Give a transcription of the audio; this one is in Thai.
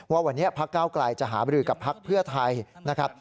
ว่าวันนี้พักเก้าไกลจะหาบรือกับพักเพื่อไทยนะครับ